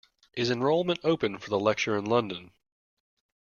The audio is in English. Is enrolment open for the lecture in London?